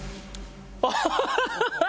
ハハハハ！